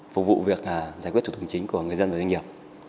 phục vụ việc giải quyết thủ tục chính của người dân và doanh nghiệp